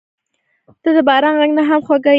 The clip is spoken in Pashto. • ته د باران غږ نه هم خوږه یې.